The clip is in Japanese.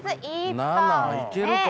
７いけるかな？